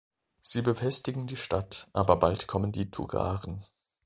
Sie befestigen die Stadt, aber bald kommen die Tugaren.